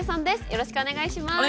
よろしくお願いします。